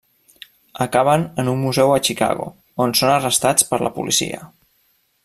Acaben en un museu a Chicago on són arrestats per la policia.